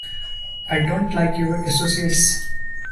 I don't like your associates.